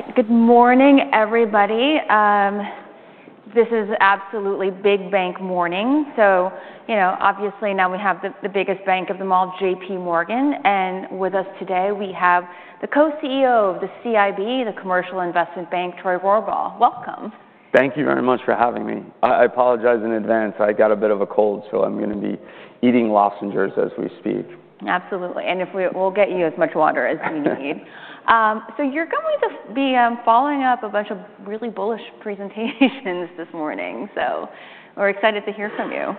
All right. Good morning, everybody. This is absolutely Big Bank morning. So, you know, obviously now we have the biggest bank of them all, JPMorgan. And with us today we have the Co-CEO of the CIB, the Commercial & Investment Bank, Troy Rohrbaugh. Welcome. Thank you very much for having me. I apologize in advance. I got a bit of a cold, so I'm gonna be eating lozenges as we speak. Absolutely. And if we'll get you as much water as you need. So you're going to be following up a bunch of really bullish presentations this morning, so we're excited to hear from you.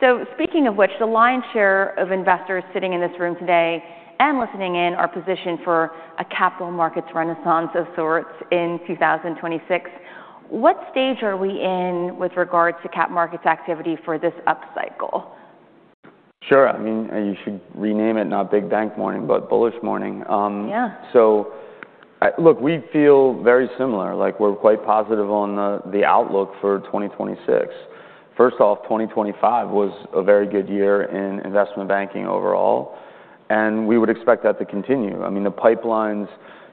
So speaking of which, the lion's share of investors sitting in this room today and listening in are positioned for a capital markets renaissance of sorts in 2026. What stage are we in with regards to cap markets activity for this upcycle? Sure. I mean, you should rename it, not Big Bank morning, but bullish morning. Yeah. So I look, we feel very similar. Like, we're quite positive on the outlook for 2026. First off, 2025 was a very good year in investment banking overall, and we would expect that to continue. I mean, the pipelines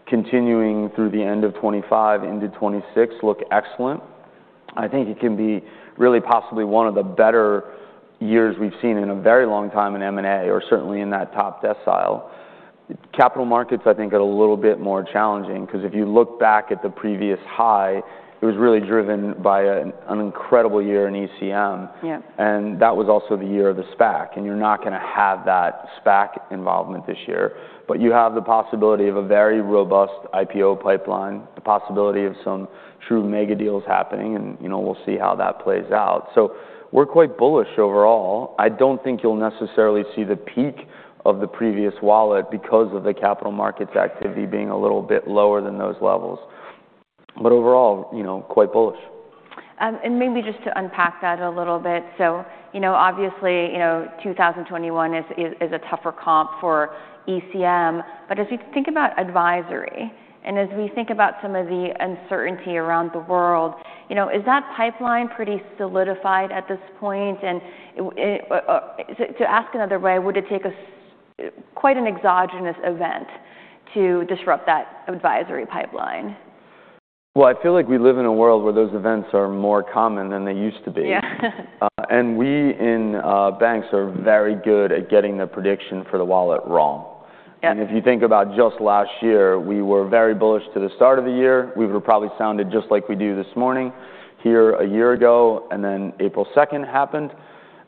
continuing through the end of 2025 into 2026 look excellent. I think it can be really possibly one of the better years we've seen in a very long time in M&A, or certainly in that top decile. Capital markets, I think, are a little bit more challenging 'cause if you look back at the previous high, it was really driven by an incredible year in ECM. Yeah. That was also the year of the SPAC. You're not gonna have that SPAC involvement this year. But you have the possibility of a very robust IPO pipeline, the possibility of some true mega deals happening, and, you know, we'll see how that plays out. We're quite bullish overall. I don't think you'll necessarily see the peak of the previous wallet because of the capital markets activity being a little bit lower than those levels. But overall, you know, quite bullish. Maybe just to unpack that a little bit. You know, obviously, you know, 2021 is a tougher comp for ECM. But as we think about advisory and as we think about some of the uncertainty around the world, you know, is that pipeline pretty solidified at this point? And to ask another way, would it take quite an exogenous event to disrupt that advisory pipeline? Well, I feel like we live in a world where those events are more common than they used to be. Yeah. and we in banks are very good at getting the prediction for the wallet wrong. Yeah. And if you think about just last year, we were very bullish to the start of the year. We would have probably sounded just like we do this morning here a year ago, and then April 2nd happened.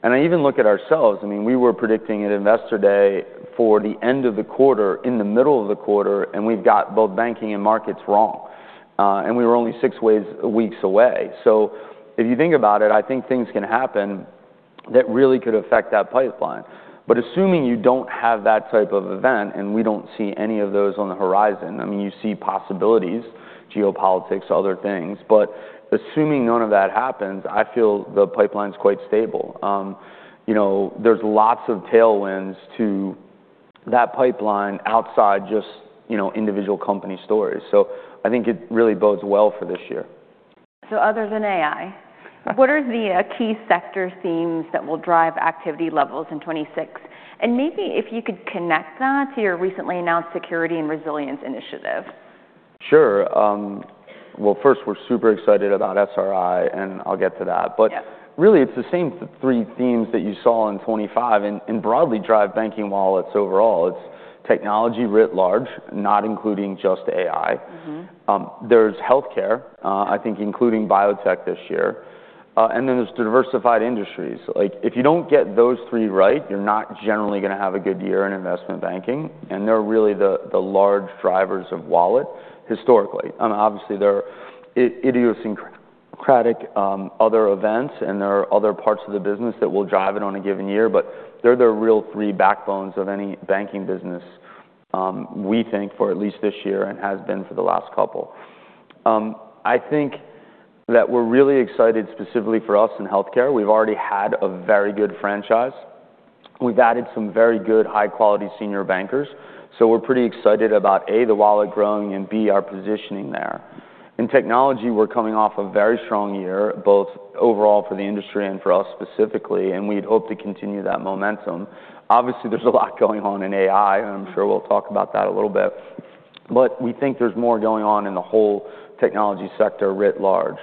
And I even look at ourselves. I mean, we were predicting at Investor Day for the end of the quarter, in the middle of the quarter, and we've got both banking and markets wrong. And we were only six weeks away. So if you think about it, I think things can happen that really could affect that pipeline. But assuming you don't have that type of event and we don't see any of those on the horizon, I mean, you see possibilities, geopolitics, other things. But assuming none of that happens, I feel the pipeline's quite stable. You know, there's lots of tailwinds to that pipeline outside just, you know, individual company stories. So I think it really bodes well for this year. Other than AI, what are the key sector themes that will drive activity levels in 2026? Maybe if you could connect that to your recently announced Security and Resiliency Initiative. Sure. Well, first, we're super excited about SRI, and I'll get to that. But. Yeah. Really, it's the same three themes that you saw in 2025 and broadly drive banking wallets overall. It's technology writ large, not including just AI. There's healthcare, I think including biotech this year. And then there's diversified industries. Like, if you don't get those three right, you're not generally gonna have a good year in investment banking. And they're really the large drivers of wallet historically. I mean, obviously, there are idiosyncratic, other events, and there are other parts of the business that will drive it on a given year. But they're the real three backbones of any banking business, we think for at least this year and has been for the last couple. I think that we're really excited specifically for us in healthcare. We've already had a very good franchise. We've added some very good, high-quality senior bankers. So we're pretty excited about, A, the wallet growing, and, B, our positioning there. In technology, we're coming off a very strong year, both overall for the industry and for us specifically, and we'd hope to continue that momentum. Obviously, there's a lot going on in AI, and I'm sure we'll talk about that a little bit. But we think there's more going on in the whole technology sector writ large.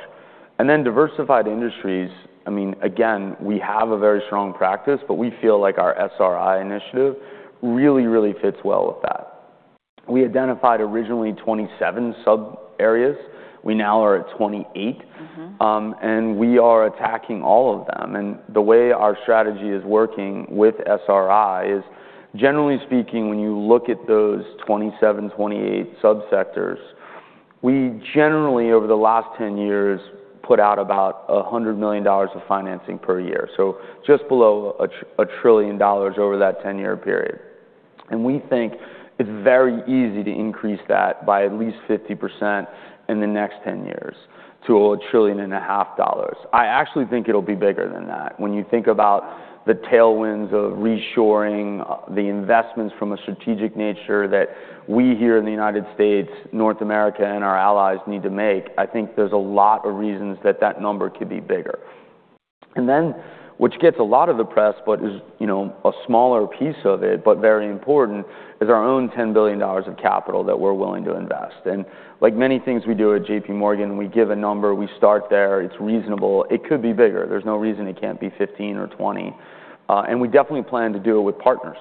And then diversified industries, I mean, again, we have a very strong practice, but we feel like our SRI Initiative really, really fits well with that. We identified originally 27 subareas. We now are at 28. We are attacking all of them. The way our strategy is working with SRI is, generally speaking, when you look at those 27, 28 subsectors, we generally, over the last 10 years, put out about $100 million of financing per year, so just below $1 trillion over that 10-year period. We think it's very easy to increase that by at least 50% in the next 10 years to $1.5 trillion. I actually think it'll be bigger than that. When you think about the tailwinds of reshoring, the investments from a strategic nature that we here in the United States, North America, and our allies need to make, I think there's a lot of reasons that that number could be bigger. And then what gets a lot of the press but is, you know, a smaller piece of it but very important is our own $10 billion of capital that we're willing to invest. Like many things we do at JPMorgan, we give a number. We start there. It's reasonable. It could be bigger. There's no reason it can't be 15 or 20. And we definitely plan to do it with partners.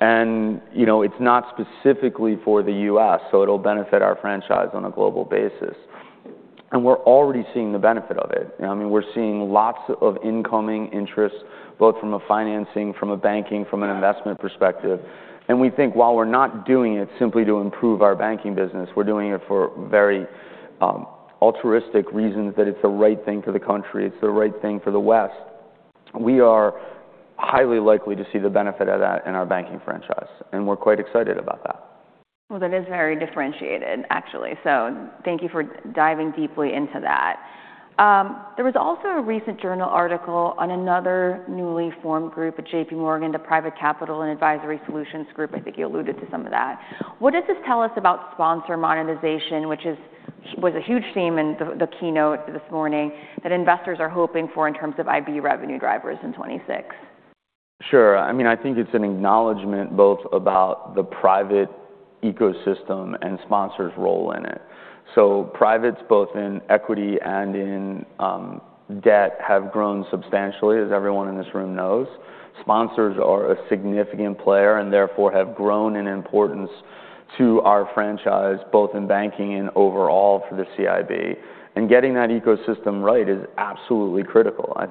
And, you know, it's not specifically for the U.S., so it'll benefit our franchise on a global basis. And we're already seeing the benefit of it. I mean, we're seeing lots of incoming interest both from a financing, from a banking, from an investment perspective. And we think while we're not doing it simply to improve our banking business, we're doing it for very, altruistic reasons that it's the right thing for the country. It's the right thing for the West. We are highly likely to see the benefit of that in our banking franchise, and we're quite excited about that. Well, that is very differentiated, actually. So thank you for diving deeply into that. There was also a recent journal article on another newly formed group at JPMorgan, the Private Capital and Advisory Solutions Group. I think you alluded to some of that. What does this tell us about sponsor monetization, which was a huge theme in the keynote this morning, that investors are hoping for in terms of IB revenue drivers in 2026? Sure. I mean, I think it's an acknowledgment both about the private ecosystem and sponsors' role in it. So privates, both in equity and in debt, have grown substantially, as everyone in this room knows. Sponsors are a significant player and therefore have grown in importance to our franchise, both in banking and overall for the CIB. And getting that ecosystem right is absolutely critical. I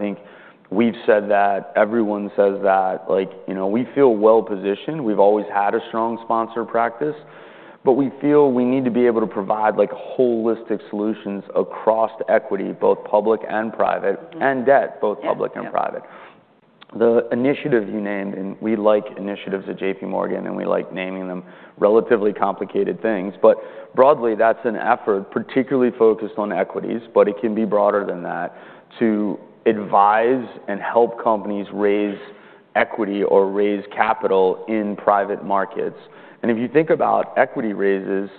think we've said that. Everyone says that. Like, you know, we feel well-positioned. We've always had a strong sponsor practice. But we feel we need to be able to provide, like, holistic solutions across equity, both public and private, and debt, both public and private. Yeah. The initiative you named and we like initiatives at JPMorgan, and we like naming them relatively complicated things. But broadly, that's an effort particularly focused on equities, but it can be broader than that, to advise and help companies raise equity or raise capital in private markets. And if you think about equity raises,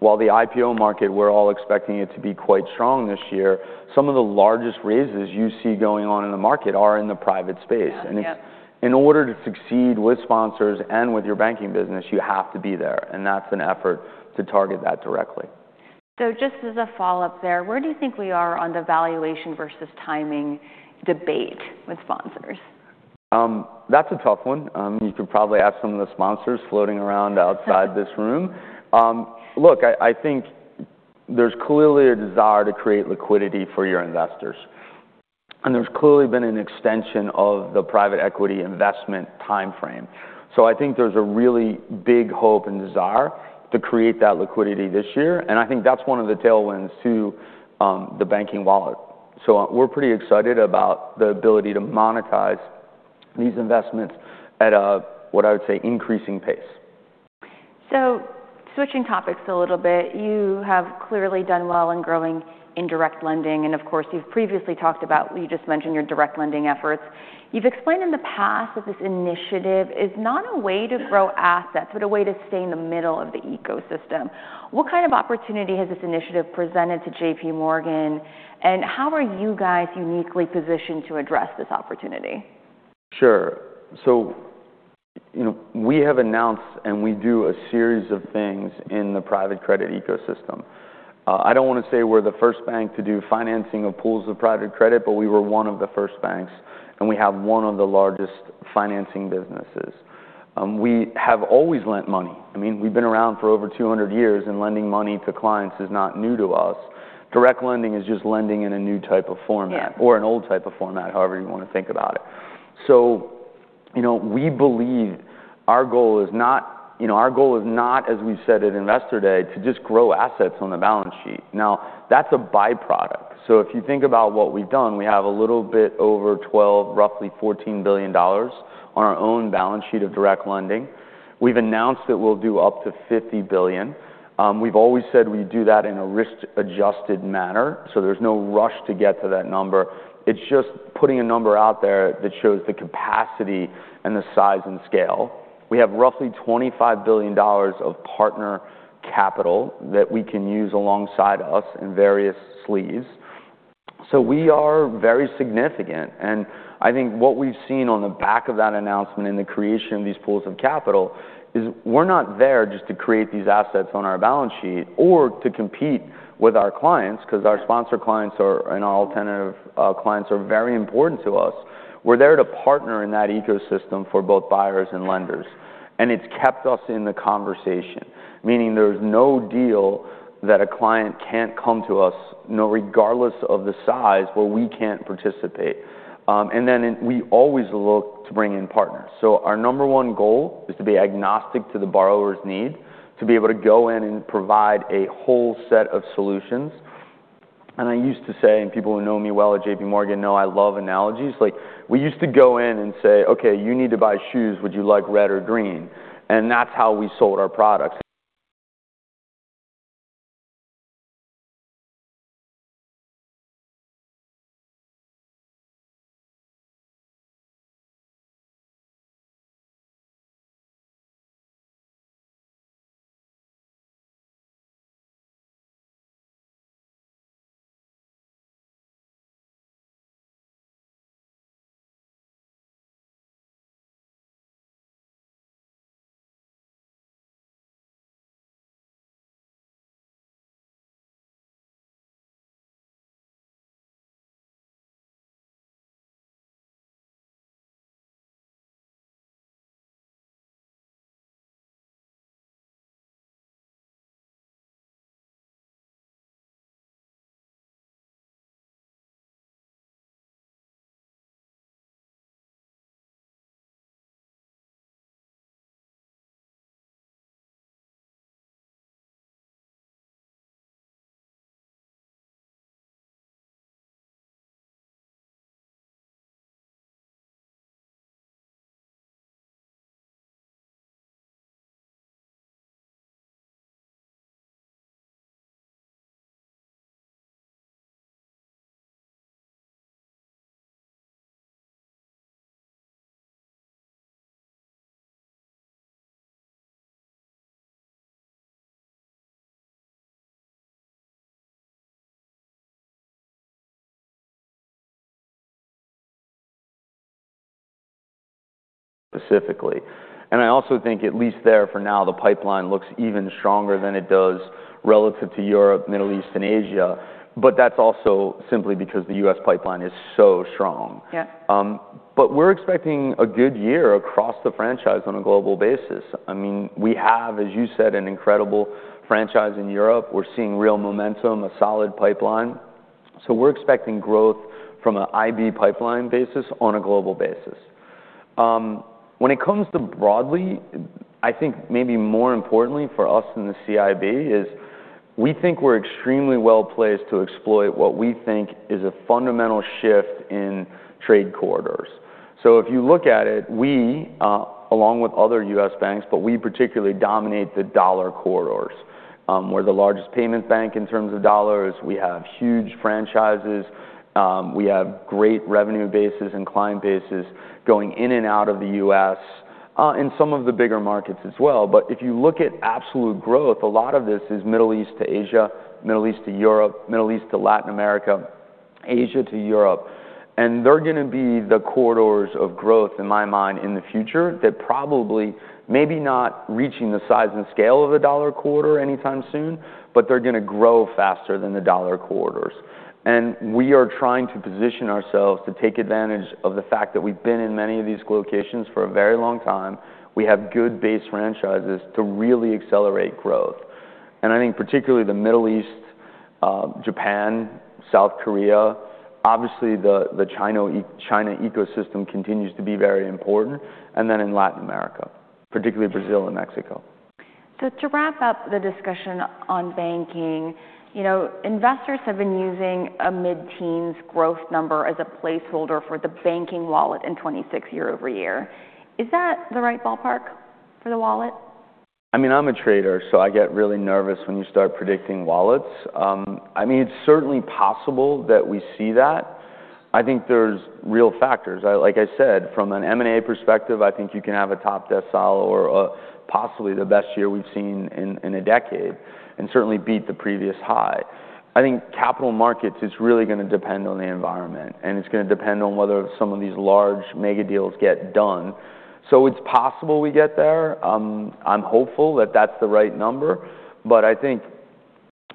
while the IPO market, we're all expecting it to be quite strong this year, some of the largest raises you see going on in the market are in the private space. And it's. Yeah. In order to succeed with sponsors and with your banking business, you have to be there. And that's an effort to target that directly. Just as a follow-up there, where do you think we are on the valuation versus timing debate with sponsors? That's a tough one. You could probably ask some of the sponsors floating around outside this room. Look, I think there's clearly a desire to create liquidity for your investors. And there's clearly been an extension of the private equity investment timeframe. So I think there's a really big hope and desire to create that liquidity this year. And I think that's one of the tailwinds to, the banking wallet. So we're pretty excited about the ability to monetize these investments at a, what I would say, increasing pace. Switching topics a little bit, you have clearly done well in growing indirect lending. Of course, you've previously talked about you just mentioned your direct lending efforts. You've explained in the past that this initiative is not a way to grow assets but a way to stay in the middle of the ecosystem. What kind of opportunity has this initiative presented to JPMorgan, and how are you guys uniquely positioned to address this opportunity? Sure. So, you know, we have announced and we do a series of things in the private credit ecosystem. I don't wanna say we're the first bank to do financing of pools of private credit, but we were one of the first banks, and we have one of the largest financing businesses. We have always lent money. I mean, we've been around for over 200 years, and lending money to clients is not new to us. Direct lending is just lending in a new type of format. Yeah. Or an old type of format, however you wanna think about it. So, you know, we believe our goal is not you know, our goal is not, as we said at Investor Day, to just grow assets on the balance sheet. Now, that's a byproduct. So if you think about what we've done, we have a little bit over 12, roughly $14 billion on our own balance sheet of direct lending. We've announced that we'll do up to $50 billion. We've always said we do that in a risk-adjusted manner, so there's no rush to get to that number. It's just putting a number out there that shows the capacity and the size and scale. We have roughly $25 billion of partner capital that we can use alongside us in various sleeves. So we are very significant. I think what we've seen on the back of that announcement in the creation of these pools of capital is we're not there just to create these assets on our balance sheet or to compete with our clients 'cause our sponsor clients are, and our alternative clients, very important to us. We're there to partner in that ecosystem for both buyers and lenders. It's kept us in the conversation, meaning there's no deal that a client can't come to us, regardless of the size, where we can't participate. Then we always look to bring in partners. Our number one goal is to be agnostic to the borrower's need, to be able to go in and provide a whole set of solutions. I used to say and people who know me well at JPMorgan know I love analogies. Like, we used to go in and say, "Okay, you need to buy shoes. Would you like red or green?" And that's how we sold our products. Specifically. And I also think, at least there for now, the pipeline looks even stronger than it does relative to Europe, Middle East, and Asia. But that's also simply because the U.S. pipeline is so strong. Yeah. But we're expecting a good year across the franchise on a global basis. I mean, we have, as you said, an incredible franchise in Europe. We're seeing real momentum, a solid pipeline. So we're expecting growth from an IB pipeline basis on a global basis. When it comes to broadly, I think maybe more importantly for us in the CIB is we think we're extremely well-placed to exploit what we think is a fundamental shift in trade corridors. So if you look at it, we, along with other U.S. banks, but we particularly dominate the dollar corridors. We're the largest Payments bank in terms of dollars. We have huge franchises. We have great revenue bases and client bases going in and out of the U.S., in some of the bigger markets as well. But if you look at absolute growth, a lot of this is Middle East to Asia, Middle East to Europe, Middle East to Latin America, Asia to Europe. They're gonna be the corridors of growth, in my mind, in the future that probably maybe not reaching the size and scale of a dollar corridor anytime soon, but they're gonna grow faster than the dollar corridors. We are trying to position ourselves to take advantage of the fact that we've been in many of these locations for a very long time. We have good base franchises to really accelerate growth. I think particularly the Middle East, Japan, South Korea, obviously, the China ecosystem continues to be very important, and then in Latin America, particularly Brazil and Mexico. So to wrap up the discussion on banking, you know, investors have been using a mid-teens growth number as a placeholder for the banking wallet in 2026 year-over-year. Is that the right ballpark for the wallet? I mean, I'm a trader, so I get really nervous when you start predicting wallets. I mean, it's certainly possible that we see that. I think there's real factors. Like I said, from an M&A perspective, I think you can have a top decile or possibly the best year we've seen in a decade and certainly beat the previous high. I think capital markets, it's really gonna depend on the environment, and it's gonna depend on whether some of these large mega deals get done. So it's possible we get there. I'm hopeful that that's the right number. But I think,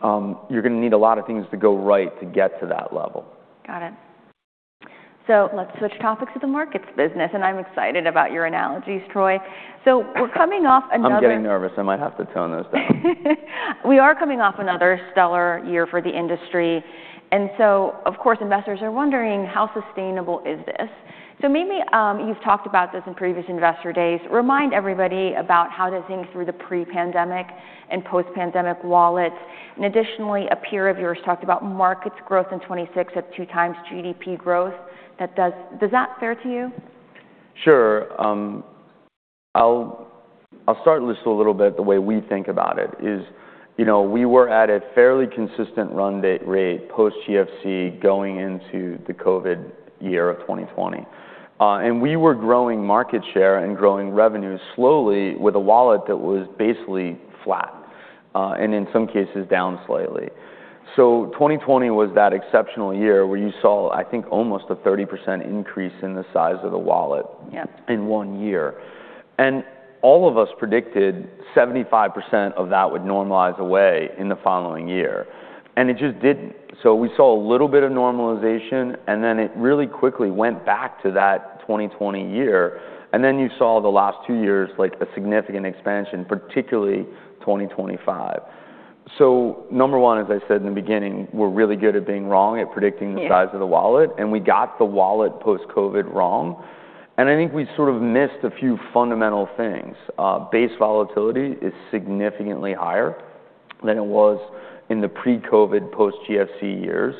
you're gonna need a lot of things to go right to get to that level. Got it. Let's switch topics to the markets business. I'm excited about your analogies, Troy. We're coming off another. I'm getting nervous. I might have to tone those down. We are coming off another stellar year for the industry. So, of course, investors are wondering, how sustainable is this? So maybe, you've talked about this in previous Investor Days. Remind everybody about how to think through the pre-pandemic and post-pandemic wallets. And additionally, a peer of yours talked about markets growth in 2026 at two times GDP growth. Does that fair to you? Sure. I'll start this a little bit the way we think about it is, you know, we were at a fairly consistent run rate post-GFC going into the COVID year of 2020. And we were growing market share and growing revenue slowly with a wallet that was basically flat, and in some cases down slightly. So 2020 was that exceptional year where you saw, I think, almost a 30% increase in the size of the wallet. Yeah. In one year. All of us predicted 75% of that would normalize away in the following year. And it just didn't. So we saw a little bit of normalization, and then it really quickly went back to that 2020 year. And then you saw the last two years, like, a significant expansion, particularly 2025. So number one, as I said in the beginning, we're really good at being wrong at predicting the size of the wallet. And we got the wallet post-COVID wrong. And I think we sort of missed a few fundamental things. Base volatility is significantly higher than it was in the pre-COVID post-GFC years.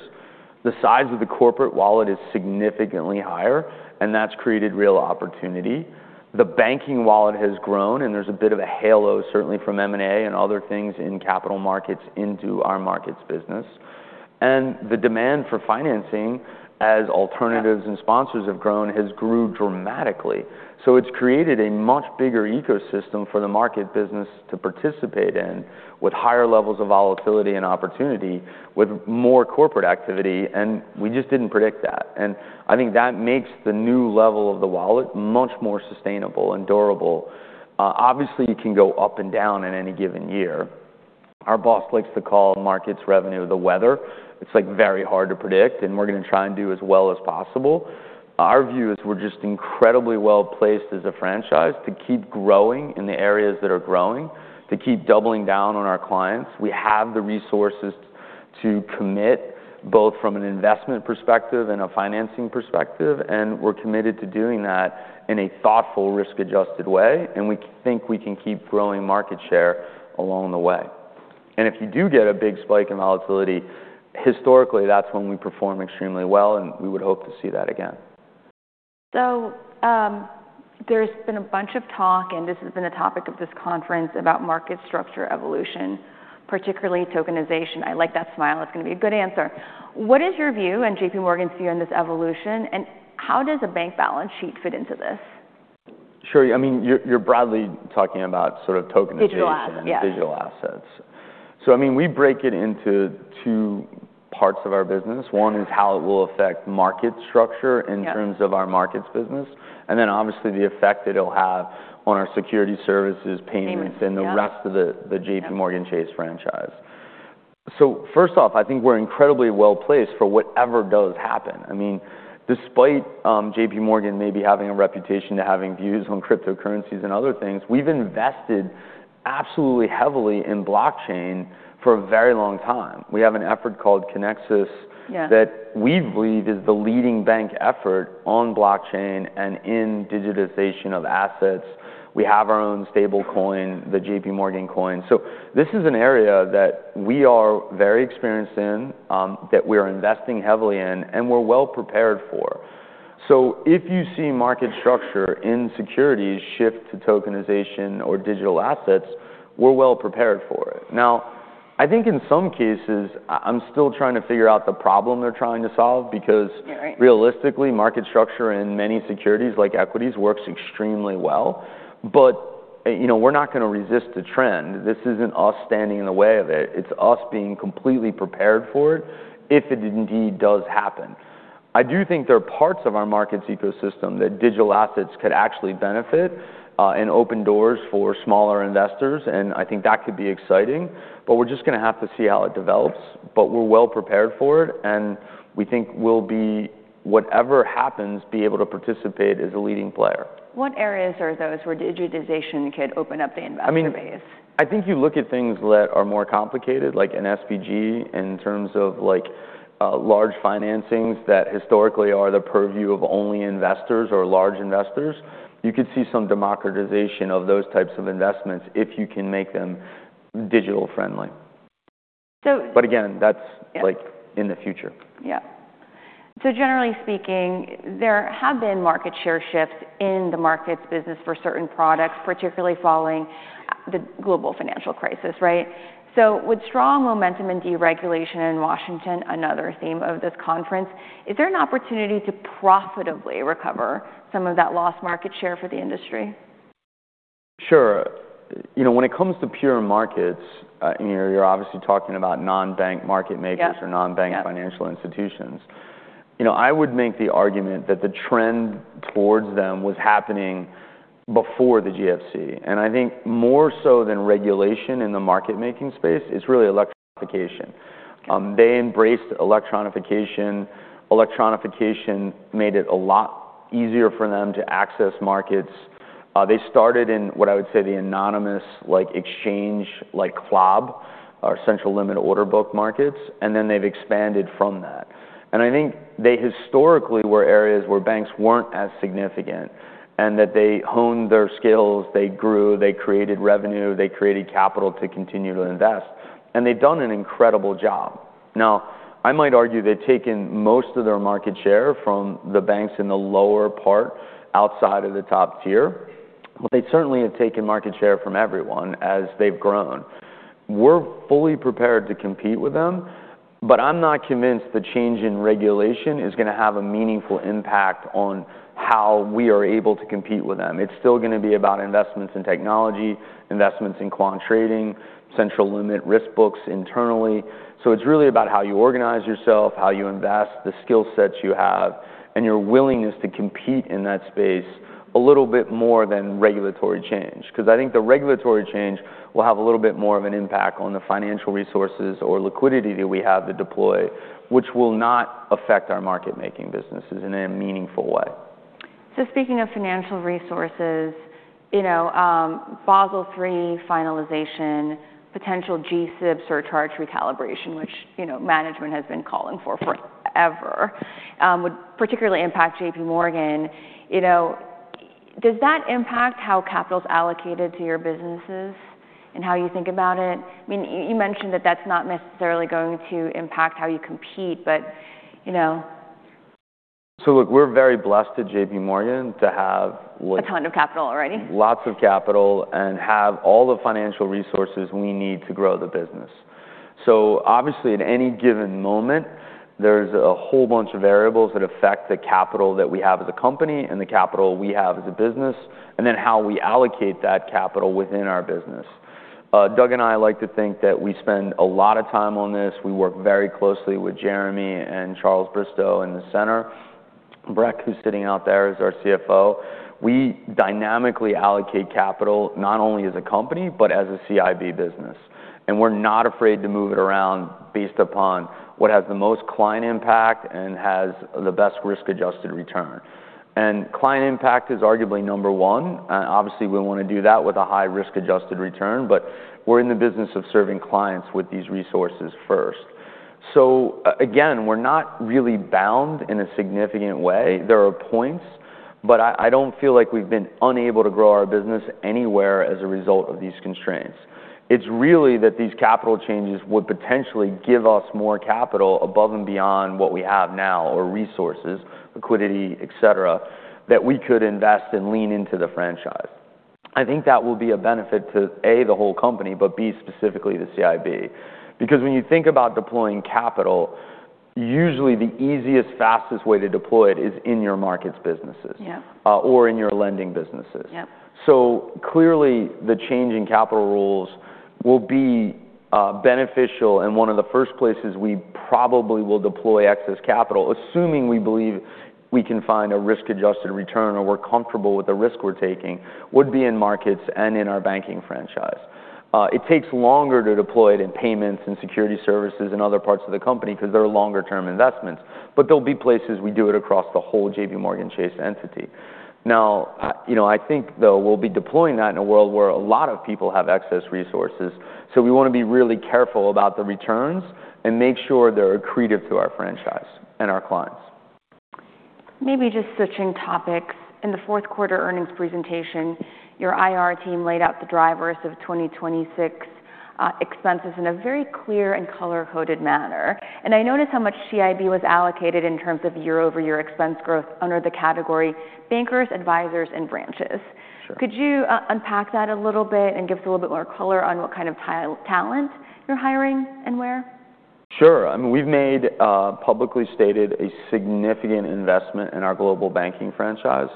The size of the corporate wallet is significantly higher, and that's created real opportunity. The banking wallet has grown, and there's a bit of a halo, certainly, from M&A and other things in capital markets into our markets business. And the demand for financing, as alternatives and sponsors have grown, has grown dramatically. So it's created a much bigger ecosystem for the market business to participate in with higher levels of volatility and opportunity, with more corporate activity. And we just didn't predict that. And I think that makes the new level of the wallet much more sustainable and durable. Obviously, it can go up and down in any given year. Our boss likes to call markets revenue the weather. It's, like, very hard to predict, and we're gonna try and do as well as possible. Our view is we're just incredibly well-placed as a franchise to keep growing in the areas that are growing, to keep doubling down on our clients. We have the resources to commit both from an investment perspective and a financing perspective. And we're committed to doing that in a thoughtful, risk-adjusted way. We think we can keep growing market share along the way. If you do get a big spike in volatility, historically, that's when we perform extremely well, and we would hope to see that again. So, there's been a bunch of talk, and this has been the topic of this conference, about market structure evolution, particularly tokenization. I like that smile. It's gonna be a good answer. What is your view and JPMorgan's view on this evolution? And how does a bank balance sheet fit into this? Sure. I mean, you're broadly talking about sort of tokenization. Digital assets. Digital assets. So, I mean, we break it into two parts of our business. One is how it will affect market structure in terms of our markets business. And then obviously, the effect it'll have on our Security Services, payments. Payments. The rest of the JPMorgan Chase franchise. So first off, I think we're incredibly well-placed for whatever does happen. I mean, despite JPMorgan maybe having a reputation of having views on cryptocurrencies and other things, we've invested absolutely heavily in blockchain for a very long time. We have an effort called Kinexys. Yeah. That we believe is the leading bank effort on blockchain and in digitization of assets. We have our own Stablecoin, the JPMorgan Coin. So this is an area that we are very experienced in, that we are investing heavily in, and we're well-prepared for. So if you see market structure in securities shift to tokenization or digital assets, we're well-prepared for it. Now, I think in some cases, I'm still trying to figure out the problem they're trying to solve because. You're right. Realistically, market structure in many securities, like equities, works extremely well. But, you know, we're not gonna resist the trend. This isn't us standing in the way of it. It's us being completely prepared for it if it indeed does happen. I do think there are parts of our markets ecosystem that digital assets could actually benefit, and open doors for smaller investors. And I think that could be exciting. But we're just gonna have to see how it develops. But we're well-prepared for it. And we think we'll be, whatever happens, be able to participate as a leading player. What areas are those where digitization could open up the investor base? I mean, I think you look at things that are more complicated, like an SPG in terms of, like, large financings that historically are the purview of only investors or large investors, you could see some democratization of those types of investments if you can make them digital-friendly. So. But again, that's, like, in the future. Yeah. So generally speaking, there have been market share shifts in the markets business for certain products, particularly following the global financial crisis, right? So with strong momentum and deregulation in Washington, another theme of this conference, is there an opportunity to profitably recover some of that lost market share for the industry? Sure. You know, when it comes to pure markets, you know, you're obviously talking about non-bank market makers. Yeah. Or non-bank financial institutions. You know, I would make the argument that the trend towards them was happening before the GFC. And I think more so than regulation in the market-making space, it's really electronification. Okay. They embraced electronification. Electronification made it a lot easier for them to access markets. They started in what I would say the anonymous, like, exchange, like, CLOB, or central limit order book markets. Then they've expanded from that. I think they historically were areas where banks weren't as significant and that they honed their skills. They grew. They created revenue. They created capital to continue to invest. They've done an incredible job. Now, I might argue they've taken most of their market share from the banks in the lower part outside of the top tier. But they certainly have taken market share from everyone as they've grown. We're fully prepared to compete with them. But I'm not convinced the change in regulation is gonna have a meaningful impact on how we are able to compete with them. It's still gonna be about investments in technology, investments in quant trading, central limit order books internally. So it's really about how you organize yourself, how you invest, the skill sets you have, and your willingness to compete in that space a little bit more than regulatory change. 'Cause I think the regulatory change will have a little bit more of an impact on the financial resources or liquidity that we have to deploy, which will not affect our market-making businesses in a meaningful way. So speaking of financial resources, you know, Basel III finalization, potential G-SIBs or charge recalibration, which, you know, management has been calling for forever, would particularly impact JPMorgan. You know, does that impact how capital's allocated to your businesses and how you think about it? I mean, you mentioned that that's not necessarily going to impact how you compete, but, you know. So look, we're very blessed at JPMorgan to have, like. A ton of capital already. Lots of capital and have all the financial resources we need to grow the business. So obviously, at any given moment, there's a whole bunch of variables that affect the capital that we have as a company and the capital we have as a business and then how we allocate that capital within our business. Doug and I like to think that we spend a lot of time on this. We work very closely with Jeremy and Charles Bristow in the center. Brett, who's sitting out there as our CFO, we dynamically allocate capital not only as a company but as a CIB business. And we're not afraid to move it around based upon what has the most client impact and has the best risk-adjusted return. And client impact is arguably number one. And obviously, we wanna do that with a high risk-adjusted return. But we're in the business of serving clients with these resources first. So again, we're not really bound in a significant way. There are points. But I don't feel like we've been unable to grow our business anywhere as a result of these constraints. It's really that these capital changes would potentially give us more capital above and beyond what we have now or resources, liquidity, etc., that we could invest and lean into the franchise. I think that will be a benefit to, A, the whole company, but, B, specifically the CIB. Because when you think about deploying capital, usually, the easiest, fastest way to deploy it is in your markets businesses. Yeah. or in your lending businesses. Yeah. So clearly, the change in capital rules will be beneficial. And one of the first places we probably will deploy excess capital, assuming we believe we can find a risk-adjusted return or we're comfortable with the risk we're taking, would be in markets and in our banking franchise. It takes longer to deploy it in payments and security services and other parts of the company 'cause they're longer-term investments. But there'll be places we do it across the whole JPMorgan Chase entity. Now, you know, I think, though, we'll be deploying that in a world where a lot of people have excess resources. So we wanna be really careful about the returns and make sure they're accretive to our franchise and our clients. Maybe just switching topics. In the fourth-quarter earnings presentation, your IR team laid out the drivers of 2026, expenses in a very clear and color-coded manner. And I noticed how much CIB was allocated in terms of year-over-year expense growth under the category bankers, advisors, and branches. Sure. Could you unpack that a little bit and give us a little bit more color on what kind of talent you're hiring and where? Sure. I mean, we've made publicly stated a significant investment in our global banking franchise.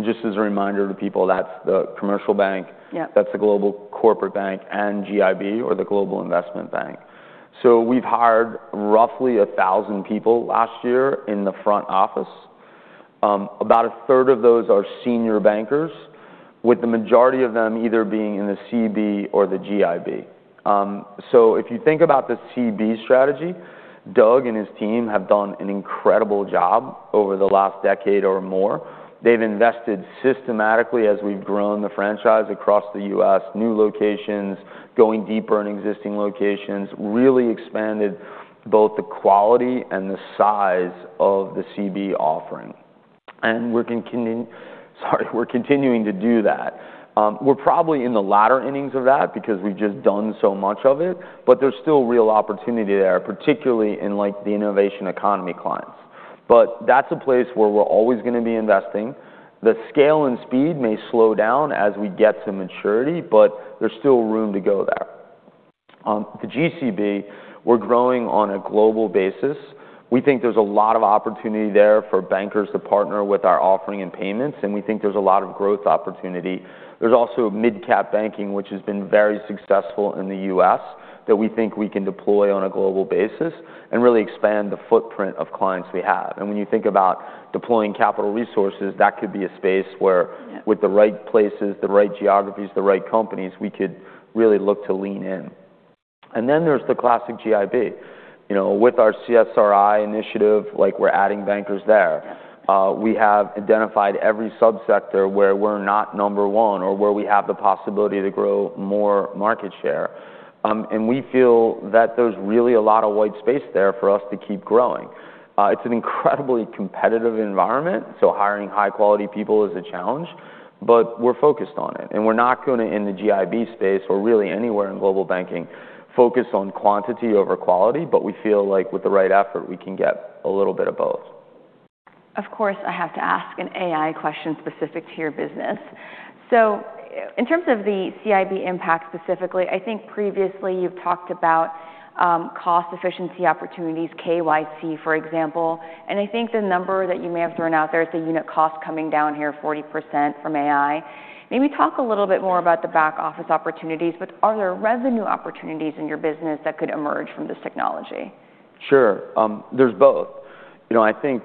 Just as a reminder to people, that's the Commercial Bank. Yeah. That's the Global Corporate Bank and GIB or the Global Investment Bank. So we've hired roughly 1,000 people last year in the front office. About a third of those are senior bankers, with the majority of them either being in the CB or the GIB. So if you think about the CB strategy, Doug and his team have done an incredible job over the last decade or more. They've invested systematically as we've grown the franchise across the U.S., new locations, going deeper in existing locations, really expanded both the quality and the size of the CB offering. And we're continuing to do that. We're probably in the latter innings of that because we've just done so much of it. But there's still real opportunity there, particularly in, like, the innovation economy clients. But that's a place where we're always gonna be investing. The scale and speed may slow down as we get to maturity, but there's still room to go there. The GCB, we're growing on a global basis. We think there's a lot of opportunity there for bankers to partner with our offering and payments. And we think there's a lot of growth opportunity. There's also Mid-Cap Banking, which has been very successful in the U.S., that we think we can deploy on a global basis and really expand the footprint of clients we have. And when you think about deploying capital resources, that could be a space where. Yeah. With the right places, the right geographies, the right companies, we could really look to lean in. And then there's the classic GIB. You know, with our SRI initiative, like, we're adding bankers there. Yeah. We have identified every subsector where we're not number one or where we have the possibility to grow more market share. We feel that there's really a lot of white space there for us to keep growing. It's an incredibly competitive environment. Hiring high-quality people is a challenge. We're focused on it. We're not gonna, in the GIB space or really anywhere in global banking, focus on quantity over quality. We feel like, with the right effort, we can get a little bit of both. Of course, I have to ask an AI question specific to your business. So in terms of the CIB impact specifically, I think previously you've talked about cost efficiency opportunities, KYC, for example. And I think the number that you may have thrown out there is the unit cost coming down here 40% from AI. Maybe talk a little bit more about the back-office opportunities. But are there revenue opportunities in your business that could emerge from this technology? Sure. There's both. You know, I think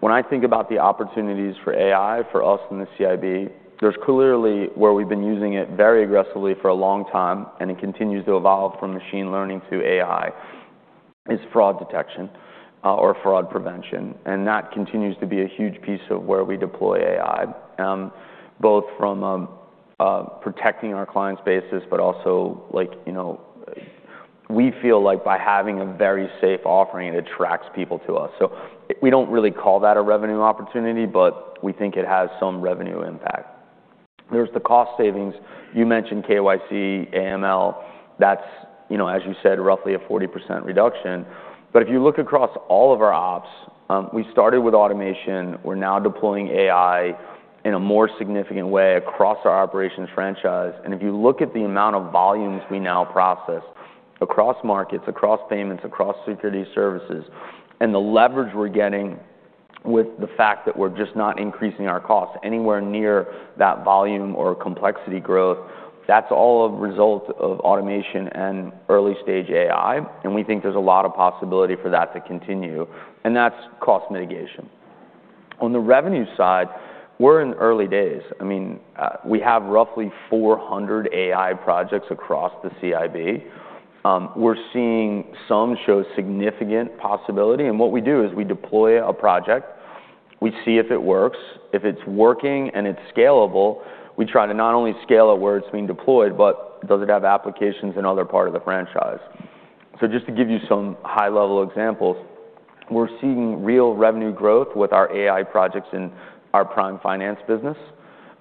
when I think about the opportunities for AI for us in the CIB, there's clearly where we've been using it very aggressively for a long time. And it continues to evolve from machine learning to AI is fraud detection, or fraud prevention. And that continues to be a huge piece of where we deploy AI, both from, protecting our clients' bases but also, like, you know, we feel like by having a very safe offering, it attracts people to us. So we don't really call that a revenue opportunity, but we think it has some revenue impact. There's the cost savings. You mentioned KYC, AML. That's, you know, as you said, roughly a 40% reduction. But if you look across all of our ops, we started with automation. We're now deploying AI in a more significant way across our operations franchise. And if you look at the amount of volumes we now process across markets, across payments, across security services, and the leverage we're getting with the fact that we're just not increasing our costs anywhere near that volume or complexity growth, that's all a result of automation and early-stage AI. And we think there's a lot of possibility for that to continue. And that's cost mitigation. On the revenue side, we're in early days. I mean, we have roughly 400 AI projects across the CIB. We're seeing some show significant possibility. And what we do is we deploy a project. We see if it works. If it's working and it's scalable, we try to not only scale it where it's being deployed but does it have applications in other parts of the franchise? So just to give you some high-level examples, we're seeing real revenue growth with our AI projects in our Prime Finance business.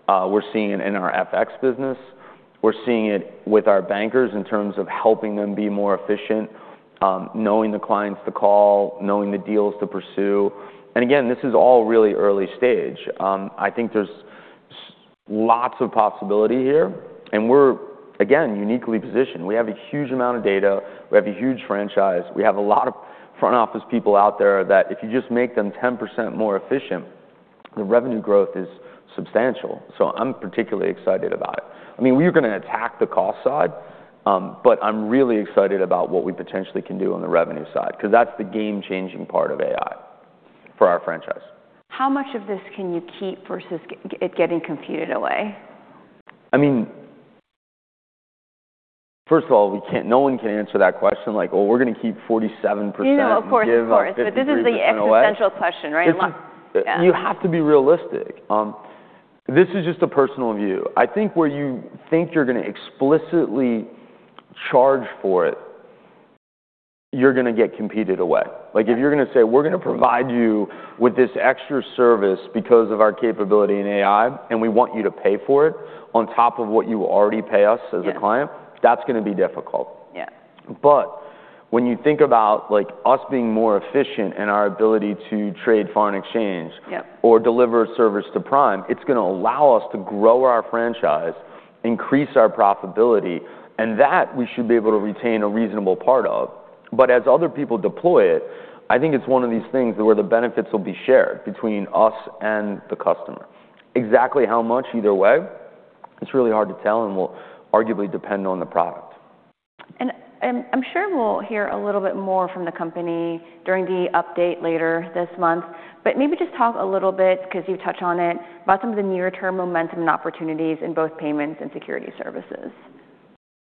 We're seeing it in our FX business. We're seeing it with our bankers in terms of helping them be more efficient, knowing the clients to call, knowing the deals to pursue. And again, this is all really early stage. I think there's lots of possibility here. And we're, again, uniquely positioned. We have a huge amount of data. We have a huge franchise. We have a lot of front-office people out there that if you just make them 10% more efficient, the revenue growth is substantial. So I'm particularly excited about it. I mean, we are gonna attack the cost side, but I'm really excited about what we potentially can do on the revenue side 'cause that's the game-changing part of AI for our franchise. How much of this can you keep versus it getting computed away? I mean, first of all, no one can answer that question like, "Well, we're gonna keep 47% of the giveaways. You know, of course, of course. But this is the existential question, right? It's, you have to be realistic. This is just a personal view. I think where you think you're gonna explicitly charge for it, you're gonna get competed away. Like, if you're gonna say, "We're gonna provide you with this extra service because of our capability in AI, and we want you to pay for it on top of what you already pay us as a client," that's gonna be difficult. Yeah. When you think about, like, us being more efficient in our ability to trade foreign exchange. Yeah. Or deliver service to prime, it's gonna allow us to grow our franchise, increase our profitability. And that we should be able to retain a reasonable part of. But as other people deploy it, I think it's one of these things where the benefits will be shared between us and the customer. Exactly how much either way, it's really hard to tell and will arguably depend on the product. And I'm sure we'll hear a little bit more from the company during the update later this month. But maybe just talk a little bit 'cause you've touched on it about some of the near-term momentum and opportunities in both payments and security services.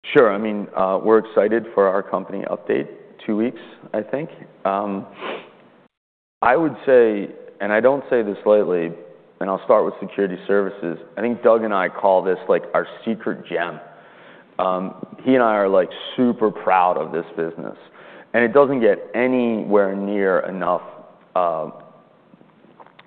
Sure. I mean, we're excited for our company update, 2 weeks, I think. I would say, and I don't say this lightly. I'll start with security services. I think Doug and I call this, like, our secret gem. He and I are, like, super proud of this business. And it doesn't get anywhere near enough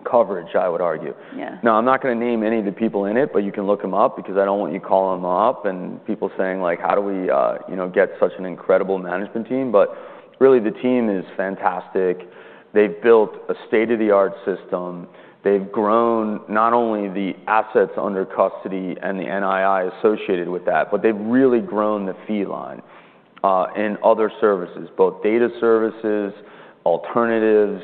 coverage, I would argue. Yeah. Now, I'm not gonna name any of the people in it, but you can look them up because I don't want you calling them up and people saying, like, "How do we, you know, get such an incredible management team?" But really, the team is fantastic. They've built a state-of-the-art system. They've grown not only the assets under custody and the NII associated with that, but they've really grown the feedline in other services, both data services, alternatives,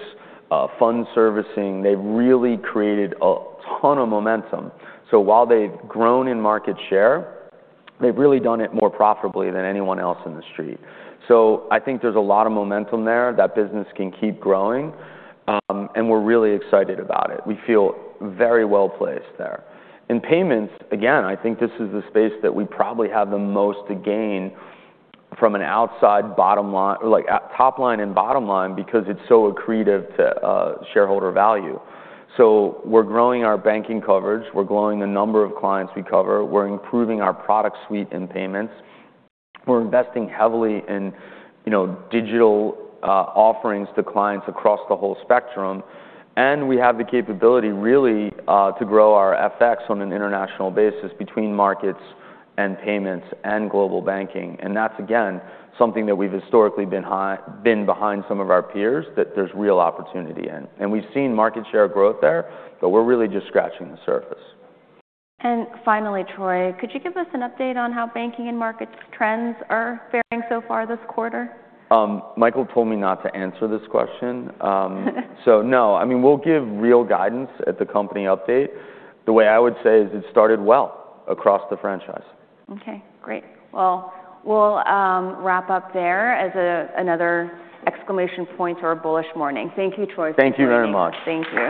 fund servicing. They've really created a ton of momentum. So while they've grown in market share, they've really done it more profitably than anyone else in the street. So I think there's a lot of momentum there. That business can keep growing. And we're really excited about it. We feel very well-placed there. In payments, again, I think this is the space that we probably have the most to gain from an upside to the bottom line or, like, top line and bottom line because it's so accretive to shareholder value. So we're growing our banking coverage. We're growing the number of clients we cover. We're improving our product suite in payments. We're investing heavily in, you know, digital offerings to clients across the whole spectrum. And we have the capability, really, to grow our FX on an international basis between markets and payments and global banking. And that's, again, something that we've historically been behind some of our peers that there's real opportunity in. And we've seen market share growth there, but we're really just scratching the surface. Finally, Troy, could you give us an update on how banking and markets trends are faring so far this quarter? Mikael told me not to answer this question. So, no. I mean, we'll give real guidance at the company update. The way I would say is it started well across the franchise. Okay. Great. Well, we'll wrap up there as another exclamation point or a bullish morning. Thank you, Troy, for speaking. Thank you very much. Thank you.